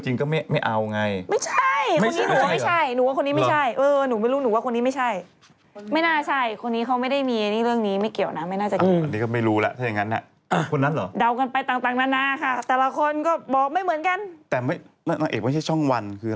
คนที่เขาทำงานช่างแต่งหน้าพี่มดดำเขายังช่วยหมดเลยเขาช่วยคนอื่น